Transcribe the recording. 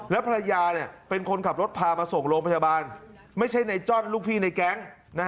แล้วภรรยาเป็นคนขับรถพามาส่งโรงพยาบาลไม่ใช่ในจ้อนลูกพี่ในแก๊ง